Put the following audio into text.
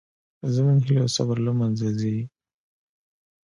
زموږ هیلې او صبر له منځه ځي